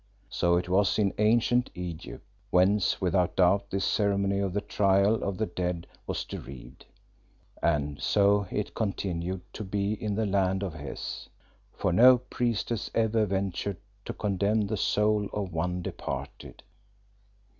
So it was in ancient Egypt, whence without doubt this ceremony of the trial of the dead was derived, and so it continued to be in the land of Hes, for no priestess ever ventured to condemn the soul of one departed.